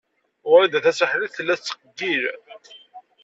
Wrida Tasaḥlit tella tettqeyyil.